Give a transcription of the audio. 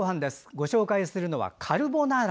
ご紹介するのは、カルボナーラ。